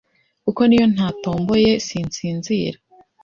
kuko niyo ntatomboye sinsinzira